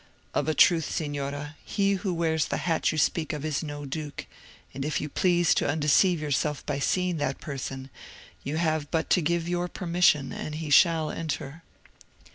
"Of a truth, Signora, he who wears the hat you speak of is no duke; and if you please to undeceive yourself by seeing that person, you have but to give your permission, and he shall enter."